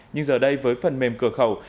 nhưng giờ đây với phần mềm cửa khẩu